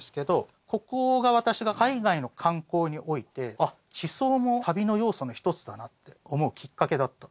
ここが私が海外の観光においてあっ地層も旅の要素の一つだなって思うきっかけだった。